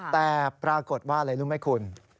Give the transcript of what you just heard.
แต่ปรากฏว่าอะไรรู้ไหมคุณ